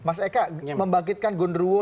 mas eka membangkitkan gunruwo